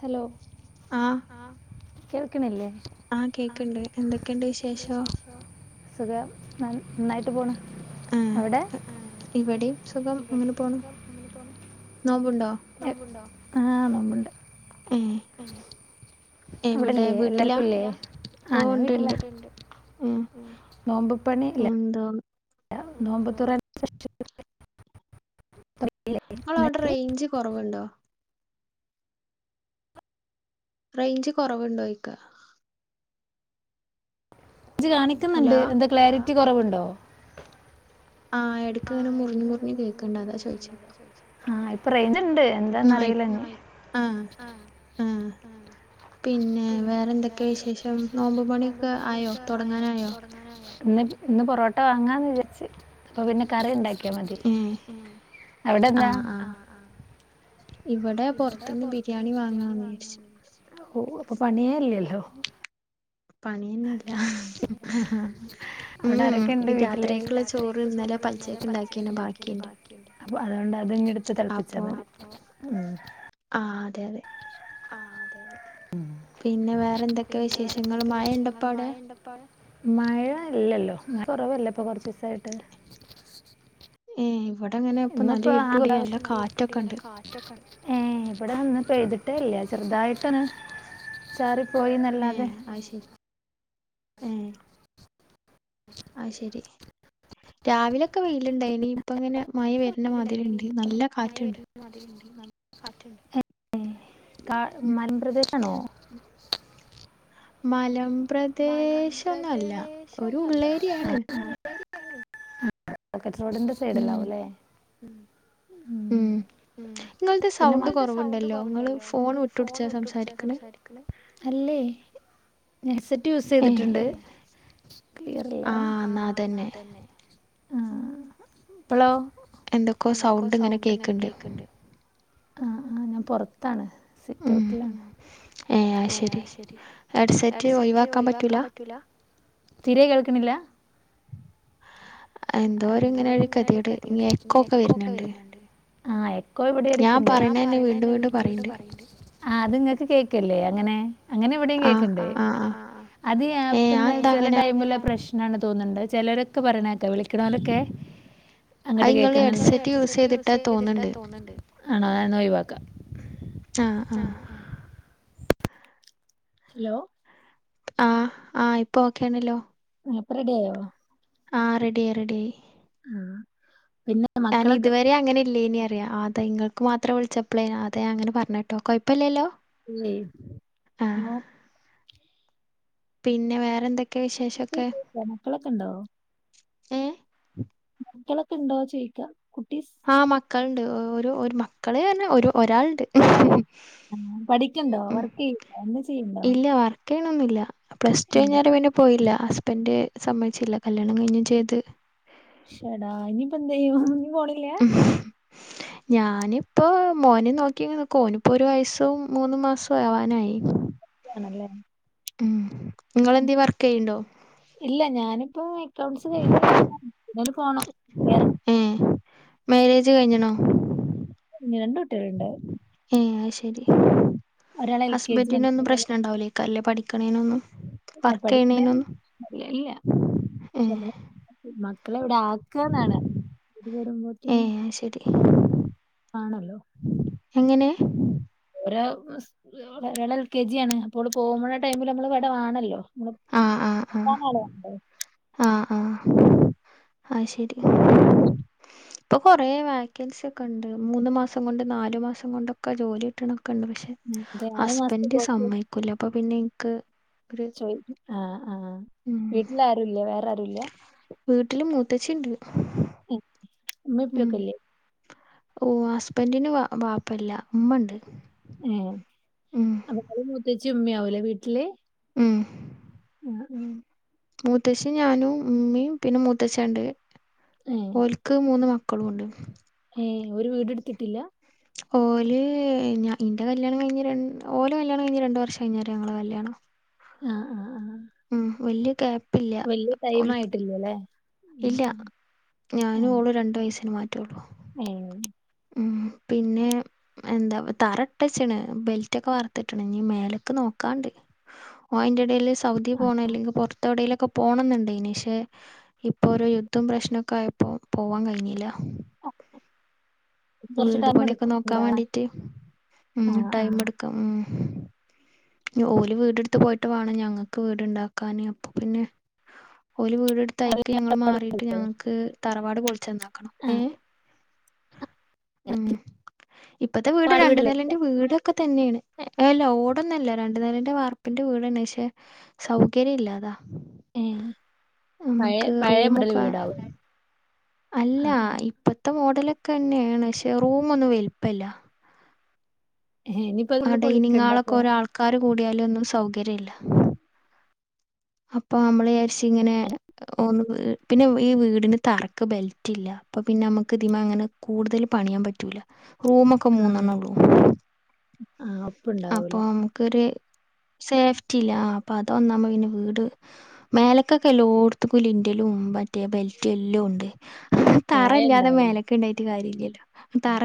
Hello ആഹ് ആ കേൾക്കണില്ലേ? ആഹ് കേക്കണ്ട് എന്തൊക്കെയുണ്ട് വിശേഷോ? സുഖം ന നന്നായിട്ട് പോണ് ആഹ് അവിടെ? ഇവിടെയും സുഖം അങ്ങനെ പോണു നോമ്പുണ്ടോ? ആ നോമ്പുണ്ട് ഉം അവിടല്ലേേ എല്ലാർക്കും ഇല്ലേ ആഹ് ഓഹ് ഞാൻ ഉണ്ട് വീട്ടിലാ ഉണ്ട് ഉം നോമ്പ് പണി ഇല്ല എന്തോ നൊമ്പതുറ [unintelligible] ഇങ്ങളെ അവിടെ റേഞ്ച് കുറവുണ്ടോ? റേഞ്ച് കൊറവുണ്ടോയിക്ക? റെയിഞ്ച് കാണിക്കുന്നുണ്ട് ഹലോ എന്താ ക്ലാരിറ്റി കൊറവുണ്ടോ? ആഹ് എടക്ക്ങ്ങനെ മുർഞ്ഞ് മുർഞ്ഞ് കേക്ക്ണ്ട് അതാ ചോയ്ച്ചെ ആഹ് ഇപ്പ റെയ്ഞ്ച്ണ്ട് ആഹ് എന്താന്നറീലഞ്ഞ് ആഹ് ആഹ് പിന്നെ വേറെന്തെക്കെ വിശേഷം നോമ്പും പണ്യൊക്കെ ആയോ തൊടങ്ങാനായോ? ഇന്ന്ട്ട് ഇന്ന് പൊറോട്ട വാങ്ങാന്ന് വിരാര്ച്ച് അപ്പോ പിന്നെ കറിണ്ടാ ക്ക്യാ മതി ഏഹ് അവിടെന്താ? ആഹ് ആഹ് ഇവിടെ ഇവ്ടെ പൊറത്ത്ന്ന് പൊർത്ത്ന്ന് ബിരിയാണി ബിര്യാണി വാങ്ങാന്ന് വിചാരിച്ചു വാങ്ങാന്നു വെച്ച് ഓഹ് അപ്പം പണിയേല്ല്യല്ലോ പണിയെന്നില്ലാ ഉം അവിടെ ആരൊക്കെ ഊം ഉണ്ട് വീട്ടില് രാത്രിയേക്ക്ള്ള ചോറ് ഇന്നലെ പല്ച്ചേക്ക്ണ്ടാക്ക്യെന്നെ ബാക്കിണ്ട് അപ്പൊ അത്കൊണ്ട് അത്ങ്ങെട്ത്ത് തെൾപ്പ്ച്ചാ മതി ഊം തെ അതെ ആഹ് അതേ പിന്നെ വേറെന്തെക്കെ വിശേഷങ്ങള് മയണ്ടാെപ്പവ്ടെ മഴ ഇല്ലല്ലോ മഴ കൊറവല്ലേ ഇപ്പൊ കൊർച്ചൂസായ്ട്ട് ഏഹ് ഇവിടെ അങ്ങനെ ഇപ്പൊ നല്ല ആ ഇരുട്ടൂമൂടിയ നല്ല കാറ്റൊക്ക ഒണ്ട് ഏ ഇബടെ ഇന്ന് പെയ്തിട്ടേ ഇല്ല ചെറുതായിട്ടൊന്ന് ചാറി പോയിന്നല്ലാതെ ഏഹ് അയ്ശരി രാവിലൊക്ക വെയിൽ ല്ണ്ടായിനി ഇപ്പങ്ങന മഴ വരണമാതിരിണ്ട് നല്ല കാറ്റുണ്ട് [unintelligible] [unintelligible] കാ ഉം മലമ്പ്രദേശാണോ മലംപ്രദേശൊന്നും അല്ല ഒരു ഉള്ളേര്യയാണ് [unintelligible] റോഡിന്റെ ഉം സൈഡല്ലാവും അല്ലേ ഉം ഉം നിങ്ങളത് പിന്ന [unintelligible] സൗണ്ട് [unintelligible] സൗണ്ട് കുറവുണ്ടല്ലോ നിങ്ങള് കൊറണ്ടല്ലോ ഇങ്ങള് ഫോൺ വിട്ടുപിടിച്ചാ വിട്ട്പിടിച്ച സംസാരിക്കണേ സംസാരിക്കുന്നേ അല്ലേ ഹെഡ്സെറ്റ് യൂസ് ഏ ചെയ്തിട്ടുണ്ട് ക്ലിയറില്ലാ ആ എന്നാ ആഹ് ന്നാ അതന്നെ അത്ന്നെ ആഹ് ഇപ്പളോ എന്തൊക്കോ സൗണ്ട് ഇങ്ങനെ കേക്ക്‌ണ്ട് ആഹ് ആഹ് ഞാൻ പൊറത്താണ് സിറ്റ്ഔട്ടിലാണ് ഏഹ് ശരി ഹെഡ്സെറ്റ് ഒഴിവാക്കാൻ പറ്റൂലാ തീരെ കേൾക്കണില്ല എന്തോ ഒരു ഇങ്ങനെ ഒരു കേ ദ്യോട് എക്കൊക്ക വരുന്നുണ്ട് ആഹ് എക്കോ ഇവടെ എടക്കണ്ട് ഞാൻ പറയുന്നെന്ന വീണ്ടും വീണ്ടും പറയ്ണ്ട് ആഹ് അത് ഇങ്ങക്ക് കേക്ക്‌ല്ലേ അങ്ങന അങ്ങന ഇവടേം ആ കേക്ക്ണ്ട് ആ ആ ആഹ് ആഹ് അതീ ഏ ആപ്പിന്റ അതെന്താ ചെല അങ്ങനെ ടൈമില പ്രശ് തോന്നുണ്ട് ചെലരക്ക‌ പറയണേക്കാം വീ [unintelligible] അങ്ങട്ട് കേക്ക്‌ന്നുണ്ട് ഹെഡ്സെറ്റ് യൂസ് ചെയ്തിട്ടാ തോന്നുണ്ട്. ആണോ എന്നാ ഒഴിവാക്കാം. ആഹ് ആഹ്. ഹലോ? ആഹ് ആഹ് ഇപ്പൊ ഓക്കെണല്ലോ. ആഹ് ഇപ്പ റെഡി ആയോ? ആഹ് റെഡിയായി റെഡിയായി. ആഹ് പിന്ന മക്കളൊക്ക ഇല്ല ഇനി അറിയാം അതാ ഇങ്ങൾക്ക് മാത്രം വിളിച്ചപ്പ്ളേന അതെ അങ്ങനെ പറഞ്ഞ കേട്ടോ കൊഴപ്പം ഇല്ലല്ലോ? ഇല്ല ഇ നോ പിന്ന വേറെന്ത മക്കളൊക്ക ഉണ്ടോ? ഏഹ് മക്കളൊക്കെ ഇണ്ടോ ചോയിക്കാം. ആ മക്കള്ണ്ട് ഒരു ഒര് മക്കളെ തന്ന ഒരു ഒരാള്ണ്ട് ആഹ് പഠിക്ക്ണ്ടോ ഉം വർക്ക് ചെയ്യ്ണ്ടോ എന്തേം ചെയ്യ്ണ്ടോ ഇല്ല വർക്ക്‌ [unintelligible] പ്ലസ് ടു കഴിഞ്ഞേര പിന്ന പോയില്ല. ഹസ്ബൻഡ് സമ്മതിച്ചില്ല കല്യാണം കഴിഞ്ഞേ ചെയ്ത് ശെടാ ഇനി ഇപ്പ എന്ത് ചെയ്യും. ഇനി പോണില്ല. ഉം ഞാനിപ്പോ മോനേം നോക്കി ഇങ്ങ് നിക്കുവാ ഓനിപ്പോ ഒരു വയസ്സും മൂന്നും മാസവും ആവാനായി. ആണല്ലേ. ഉം ഉം നിങ്ങളെന്തിയെ വർക്ക് ചെയ്യണ്ടോ? ഇപ്പൊ ഇക്കണോമിക്സ് കഴിഞ്ഞ് ഇരിക്കുവാണ് പിന്നേട് പോണം വേറെങ്ങും ഏഹ് മാരേജ് കഴിഞ്ഞേണോ? രണ്ട് കുട്ടികളുണ്ട്. ഏഹ് അത്ശെരി ഒരാള് എൽ കെ ജി ആണ് ഹസ്ബന്റിനൊന്നും പ്രശ്നണ്ടാവൂലെയ്ക്കാര്ലേ പഠിക്ക്ണേനൊന്നും ഒരാള് പഠിക്ക്ണേന് വർക്കെയ്യ്ണേനൊന്നു ഇല്ല ഇല്ല ഏഹ് ല്ല ഇവിടെ ആക്ക്ന്നാണ് ഇത് വരുമ്പോത്തനും ഏഹ് അത് ശരി ആണല്ലോ എങ്ങനെ ഒരാള് എൽ കെ ജി ആണ് അപ്പോ ഓള് പോക്ണ ടൈമിൽ നമ്മള് ഇവിടെ വാണല്ലോ ആഹ് [unintelligible] ആ ആ ശ ഉം ഇപ്പൊ കൊറേ വാക്യൻസി ഒക്കെ ഉണ്ട് മൂന്ന് മാസം കൊണ്ട് നാലു മാസം കൊണ്ടൊക്കെ ജോലി കിട്ട്ണ ക്കണ്ട് പക്ഷെ അതെ ആറു മാസത്തെ ഹസ്ബന്റ് സമ്മയ്ക്കൂല അപ്പൊ പിന്നെ ഇൻക്ക് ചോയി ആഹ് ആഹ് വീട്ടില ആരുല്ലേ വേറെ ആരുല്ല വീട്ടിൽ മൂത്തച്ചിണ്ട് ഉം ഇമ്മി ഉം പ്പക്കെല്ലേ ഓ ഹസ്ബൻ്റി ന് വ വാപ്പല്ല ഇമ്മണ്ട് ഏഹ് അപ്പൊ ഇങ്ങളും മുത്തച്ചിം ഇമ്മയാവൂലേ വീട്ടില് മ് ഉം ഉം മൂത്തച്ചിം ഞാനും ഇമ്മിം പിന്നെ മൂത്തച്ചൻ ണ്ട് ഏഹ് ഓൽക്ക് മൂന്ന് മ ക്കളൂണ്ട് ഏ ഒരു വീടെടുത്തിട്ടില്ല ഓല് ഞ ഇന്റെ കല്യാണം കഴിഞ് ഓല് കല്യാണം കഴിഞ്ഞ് രണ്ട് വർഷം കഴിഞ്ഞാരെ ഞങ്ങളെ കല്യാണം ആഹ് ആഹ് ആഹ് വല്ല്യ ക്യാപ്പ്ല്ല വല്യ ടൈം ഓൽ ആയിട്ടില്ലല്ലേ ഇല്ല ഉം ഞാനും ഓളും രണ്ട് വയസിന് മാറ്റൊള്ളൂ ഏ പിന്നെ എന്താ തറട്ടെച്ച്ണ് ബെൽറ്റൊക്കെ വാർത്തിട്ട്ണ് ഇഞ്ഞ് മേലക്ക് നോക്കാണ്ട് ഓൻ അയിൻ്റെ എടേല് സ് സൗദി പോകണ അല്ലെങ്കിൽ പൊറ ത്തൊടെയിലൊക്കെ പോണം ന്ന്ണ്ടേനി പക്ഷെ ഇപ്പോ ഒരു യുദ്ധം പ്രശ്നൊക്കെ ആയപ്പോ പോവാൻ കഴിഞ്ഞില്ല ആഹ് കൊറച്ച് വീട് ടൈം പണിയൊക്കെ എടുക്കും നോക്കാൻ വീടാവാൻ വേണ്ടിട്ട് ഉം ആഹ് ടൈം ആഹ് എടുക്കും ഉം ഓല് വീടെടുത്ത് പോയിട്ട് വേണം ഞങ്ങക്ക് വീട്ണ്ടാക്കാന് അപ്പൊ പിന്നെ ഓല് വീട് അത് ട്ത്തയിക്ക് ഞങ്ങൾ മാറിട്ട് ഞങ്ങക്ക് തറവാട് പൊളിച്ച് ന ന്നാക്കണം ഏ ഉ ഉം ഇപ്പത്തെ വീട് രണ്ട് വീടല്ലേ നെലന്റെ വീടൊക്കെ തന്നെ ന്നെയാണ് അല്ല ഓടൊന്നു അല്ല രണ്ട് നലന്റെ വാർപ്പിന്റെ വീടാണ് പക്ഷെ സൗകര്യം ഇല്ല അതാ ഏ പഴയ പഴയ മോഡൽ റൂമൊക്കെ വീടാവും അല്ല ആഹ് ഇപ്പത്തെ മോഡലൊക്കെ തന്നെയാണ് പക്ഷെ റൂമൊന്നും വൽപ്പല്ല ആഹ് ഇനിയിപ്പോ ആ ഫുള്ള് പൊളിക്കണ്ടപ്പോ ഡൈനിങ്ങാളൊക്കെ ഒരാൾക്കാര് കൂടിയാലൊന്നും സൗകര്യല്ല അപ്പൊ നമ്മൾ വിചാരിച്ച് ഇങ്ങനെ ഒന്ന് പിന്നെ ഈ വീടിന് തറക്ക് ബെൽറ്റ് ഇല്ല അപ്പൊ പിന്നെ നമ്മക്ക് ഇതിമെ അങ്ങനെ കൂടുതൽ പണിയാൻ പറ്റൂല റൂമൊക്കെ മൂന്നെണ്ണൊള്ളൂ ആഹ് അപ്പൊ ഒപ്പുണ്ടാവൂല നമുക്കൊര് സേഫ്റ്റി ഇല്ല അപ്പൊ അതൊന്നാമ്മെ പിന്നെ വീ ട് മേലക്കൊക്കെ എല്ലോട്ത്ത്ക്കും ലിൻ്റലും മറ്റേ ബെൽറ്റും എല്ലും ഉണ്ട് താഴെ തറയില്ലാതെ ഉണ്ടാവൂല മേലക്ക് ഇണ്ടായിട്ട് കാര്യല്ലല്ലോ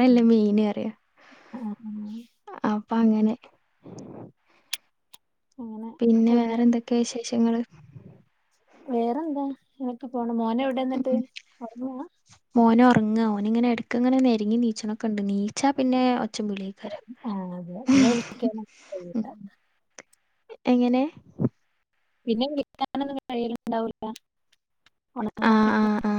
ആഹ് മെയിന് പറിയ ആഹ് ആഹ് അപ്പൊ അങ്ങനെ അങ്ങനെ പിന്നെ അപ്പൊ ഞാൻ വേറെന്തൊക്കെയാ വിശേഷങ്ങള് വേറെന്താ ഇങ്ങനൊക്കെ പോണം മോനെ എവിടെന്നിട്ട് ഒറങ്ങാ ർങ്ങാ ഓനിങ്ങനെട്ക്ക്ങ്ങനെ നെരിങ്ങി നീച്ചണൊക്കെണ്ട് നീച്ചാ പിന്നെ ഒ ച്ചിം വിളിം എയ്ക്കാരം ആഹ് അതെ പിന്നെ വിളിക്കാനൊന്നും കഴിയൂല എങ്ങനെ പിന്നെ വിളിക്കാനൊന്നും കഴിയൽ ണ്ടാവൂല [unintelligible] ആ ആ ആ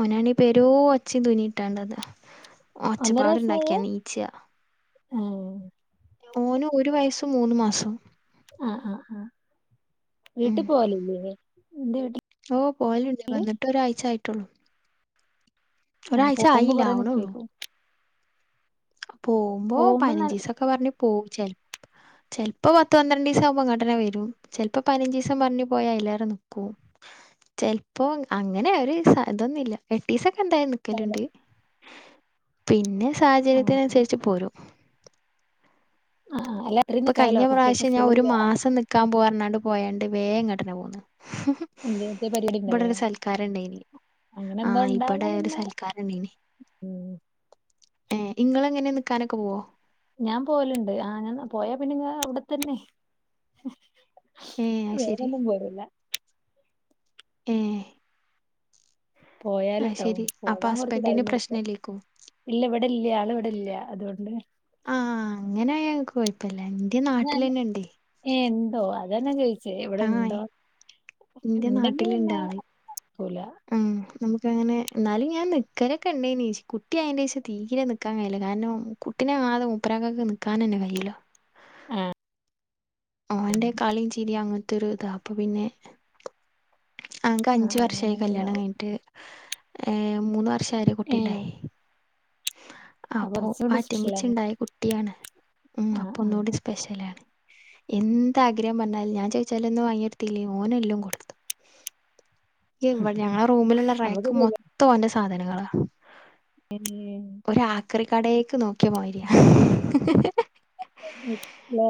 ഓനാണി പെരോ ഒച്ചിം ധുനിിട്ടാണ്ടത് ഒന്നര വയസ്സായെ ഒച്ചപ്പാടുണ്ടാക്കിയാ നീച്ച ആഹ് ഓന് ഒരു വയസും മൂന്ന് മാസം ആഹ ആഹ ആഹ ഉം എന്ത് ഓ പോവലുണ്ട് വന്നിട്ട് ഒരാഴ്ചായിട്ട് ഏഹ് ഒരാഴ്ച പോകുമ്പോ കൊറേ ആയില്ലാവണള്ളൂ നിക്കുവായിരിക്കും പോകുമ്പോ പതിനഞ്ച് ദിവസൊക്കെ പറഞ്ഞഞ് പോവും ചെൽപ്പോ ചെൽപ്പോ പത്ത് പന്ത്രണ്ട് ദിവസം ആവുമ്പം ഇങ്ങട്ടെന്നേ വരും ചിലപ്പോ പതിനഞ്ച് ദിവസം പറഞ്ഞു പോയാ അതിലറെ നിക്കും ചിലപ്പോ അങ്ങനെ ഒരു ഇതൊന്നുമില്ല എട്ടീസം എന്തായും കാലം നിക്കലുണ്ട് പിന്നെ സാഹചര്യത്തി ത്തിനനുസരിച്ച് പോരൂ ആഹ് ആഹ് അല്ല അത്രയും അപ്പൊ നിക്കാലോ കഴിഞ്ഞ കുട്ടികൾക്ക് പ്രാവശ്യം ഞാൻ ഒരു സ്കൂളില്ല മാസം നിക്കാൻ പോക ന്ന് പറഞ്ഞു പോയണ്ട് വേഗങ്ങ ട്ടന്നെ പോന്ന് എന്തേ പരിപാടി ഇവിടെ ഉണ്ടായോ ഒരു സൽക്കാരം ഉണ്ടായിന് അങ്ങനെ ആഹ എന്തോ ഇപ്പടെ ഉണ്ടായാ ഒരു പിന്നെ സൽക്കാരണ്ടഴിനി ഉം ഏ ഇങ്ങളെ എങ്ങനെ നിക്കാനൊക്കെ പോവ ഞാൻ പോലുണ്ട് ആ ഞാൻ പോയാ പിന്നെ അവിടെത്തന്നെ ഏ അത് ശരി വേഗന്നും പോരൂല ഏ പോയാല് അത് ട്ടോ ശെരി അപ്പൊ പോവാൻ കുറച്ച് ഹസ്ബൻഡിന് ടൈമടുക്കും പ്രശ്നല്ലേക്കും ഇല്ല ഇവിടെ ഇല്ല ആള് ല്ല അതുകൊണ്ട് ആഹ അങ്ങനെ ആയ ഞങ്ങക്ക് പോയിപ്പല്ല എന്റെ നാട്ടിലന്നെ ഇണ്ട് ഏ ഉണ്ടോ അതന്നെ ചോയിച്ചേ ഇവിടെ ഇണ്ടോ ഇന്റെ ഉണ്ടെങ്കി നാട്ടില്ണ്ട് പിന്നെല നമുക്ക് അങ്ങനെ എന്നാലും ഞാൻ നിക്കലോക്കൊ ഉണ്ടയിനി കുട്ടി അയതിന്റെ ശേഷം നിക്കാൻ കഴയില്ല കാരണം കുട്ടീനെ കാണാധേ മൂപ്പരക്കക്ക് നിക്കാ നന്നെ കയ്യില ആഹ ഓന്റെ കളീം ചീരിം അങ്ങനത്തെ ഒരിത അപ്പൊ പിന്നെ അങ്ങക്ക് ആ അഞ്ചു വർഷമായി അങ്ങനെ കല്യാണം ഉണ്ടാവും കഴിഞ്ഞിട്ട് ഏ് മൂന്ന് വർഷം ഏ കുട്ടിണ്ടായി ആ അപ്പൊ കുറച്ചുകൂടി സ്പെഷ്യലാണ് ആറ്റ്മിച്ചുണ്ടായി കുട്ടിയാണ് ഉം ആ അപ്പൊ ആ ഒന്നുകൂടി സ്പെഷ്യലാണ് എന്താഗ്രഹം പറഞ്ഞാൽ ഞാൻ ചോദിച്ചാലന്നും വാങ്ങിടുത്തില്ലെങ്കിലും ഓനെല്ലാം കൊടുത്തു ഇടെ ഞങ്ങളെ റൂമിലുള്ള നമുക്ക് റാക്ക് മൊത്തം ഓന്റെ സാധനങ്ങ എല്ല [inaudible] ആക്രി കടേക്ക് നോക്കിയ മതിരിയ ല്ല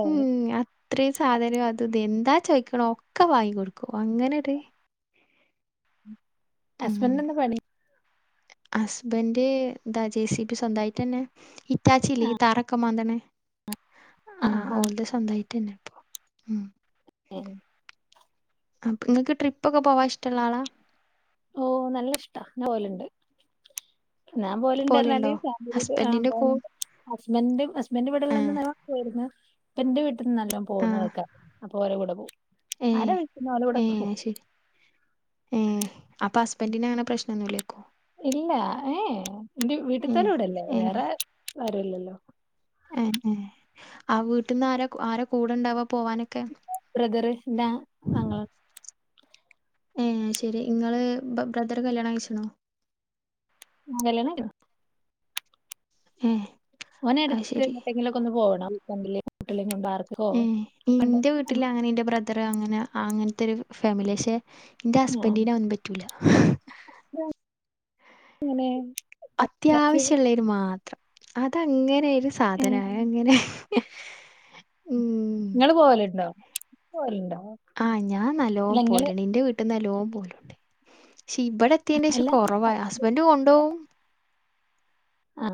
ഇത്രയും സാധനവും അത് ഇ എന്താ ചോയ്ക്കണ ഒക്കെ വാങ്ങികൊടുക്കും അങ്ങനെ ഒരു ഹസ്ബൻഡ് ന് എന്താ പണി ഹസ്ബൻന്റെ എന്താ ജെ സിബി സ്വന്തമായിട്ട്ന്നെ ഹിറ്റാച്ചി ല്ലെ തറക്കെ മാന്ദ്ണ ആ ആ് ആ ആ. ഓളെ സ്വന്തമായിട്ട്ന്നെ ഉം ഉം അ നിങ്ങക്ക് ട്രിപ്പ് ഒക്കെ പോവാൻ ഇഷ്ടമുള്ള ആളാ ഓ നല്ല ഇഷ്ടാ ഞാൻ പോവാലുണ്ട് ഞാൻ പോവലിണ്ട് പറഞ്ഞാൽ പോലെയുണ്ടോ ഫാമിലി ഹസ്ബൻഡിൻ്റെ പോല കൂ ഹസ്ബൻഡ് ഹസ്ബൻഡറ് ആ ഇവിടെള്ള ന്ന് പോയിരുന്നു പ്പന്റെ വീട്ട നല്ല ആ പോണധോക്കെ ആൾക്കാര അപ്പൊ ഓലെ കൂടെ പോവും ഏ ആരാ വിളിക്കുന്ന ഓല കൂടെ ഏ ഒക്കെ പോവും ശരി ഏ അപ്പൊ ഹസ്ബൻറിന് അങ്ങനെ പ്രശ്നന്നുമല്ല ഇല്ല ഏ എന്റെ ഏ വീട്ടുത്തോലെ കൂടല്ലേ ഏ വേറെ ആര്ല്ലല്ലോ ഏ ഏ ആ വീട്ടീന്ന് ആരാ ആരാ കൂടെണ്ടാവാ. ബ്രദറ് എൻ്റെ അ അങ്ങള ഏ ശരി ഇങ്ങള് ബ്രദറ് കല്യാണം കഴിച്ചനോ? കല്യാണം [unintelligible] ഏ ഓന് അത് എടക്ക് ശരി എങ്ങേട്ടെങ്കിലൊക്കെ ഒന്ന് പോണം. [unintelligible] ഏ ഇന്റെ വീട്ടിലങ്ങനേൻ്റെ ബ്രദർ അങ്ങനാ. അങ്ങനത്തെ ഒരു ഫാമിലി യാ. പക്ഷെ എൻ്റെ ഹസ്ബൻഡിന് അതൊന്നും പറ്റൂല. ഇങ്ങനേം അത്യാവശ്യുള്ളര് മാത്രം. അതങ്ങനൊരു ഏ സാധനാ. ആ അങ്ങനെ [inaudible] ഇപ്പവരണ്ട. ആ ഞാൻ നല്ലോം പോല്ണ്ട്. എന്റെ വീട്ടിന്ന് നല്ലോം പോലുണ്ട് പക്ഷെ ഇവിടെ എത്തിയതിൻ്റേഷം കുറവാ. ഹസ്ബൻ്റ് കൊണ്ടുപോവും. ആ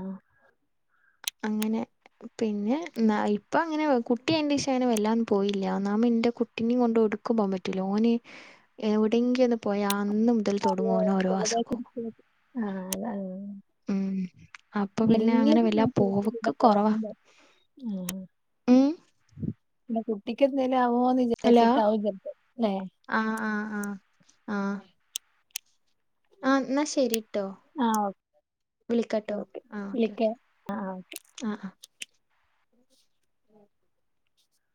അങ്ങനെ പിന്നെ ന്നഇപ്പൊ അങ്ങനെ കുട്ടി എൻ്റശേഷം അങ്ങനെ വല്ലാന്നും പോയില്ല. നാ മി എന്റെ കുട്ടിനെയും കൊണ്ട് എവിടുക്കും പോവാൻ പറ്റൂല്ല. ഓന് എവിടെങ്കി ഒന്ന് പോയാ അന്ന് ത്തിൽ തുടങ്ങും ഓന് ഓരോ അസുഖോം. ആ അതാണ്. അപ്പൊ പിന്നെ അങ്ങനെ വല്ലാതെ പോവക്ക് കൊറവാ. [unintelligible] ആഹ ഉം പിന്നെ കു ഹലോ ല്ലേ ആ ആ ആ ആ ആ എന്നാ ശരി ട്ടോ ആഹ് ഓക്കെ വിളിക്കാട്ടോ. ആ ഓക്കെ ഓക്കെ വിളിക്കാം ആഹ് ആ ആ